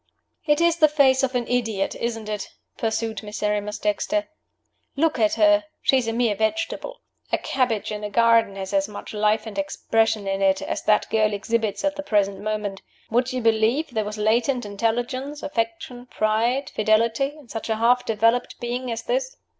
"It is the face of an idiot, isn't it?" pursued Miserrimus Dexter! "Look at her! She is a mere vegetable. A cabbage in a garden has as much life and expression in it as that girl exhibits at the present moment. Would you believe there was latent intelligence, affection, pride, fidelity, in such a half developed being as this?"